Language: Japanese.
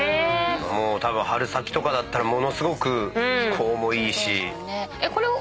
もうたぶん春先とかだったらものすごく気候もいいし。